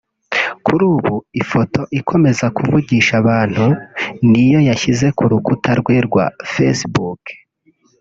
Kuri ubu ifoto ikomeje kuvugisha abantu ni iyo yashyize ku rukuta rwe rwa facebook